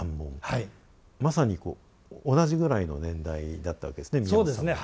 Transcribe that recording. まさに同じぐらいの年代だったわけですね宮本さんも。